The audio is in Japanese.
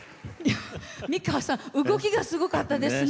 美川さん、動きがすごかったですね。